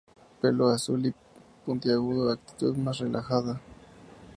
Pelo azul y puntiagudo, actitud más relajada.